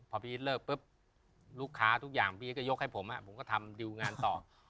พอพี่อีทเลิกปุ๊บลูกค้าทุกอย่างพี่ก็ยกให้ผมผมก็ทำดิวงานต่อ